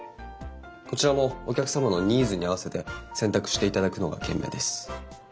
こちらもお客様のニーズに合わせて選択していただくのが賢明です。